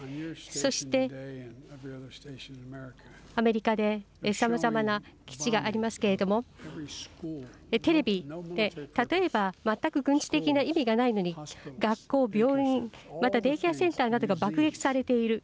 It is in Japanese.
そして、アメリカでさまざまな基地がありますけれども、テレビで、例えば、全く軍事的な意味がないのに、学校、病院、またデイケアセンターなどが爆撃されている。